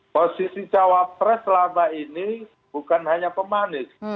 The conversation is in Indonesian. posisi cawapres selama ini bukan hanya pemanis